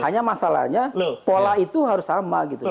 hanya masalahnya pola itu harus sama gitu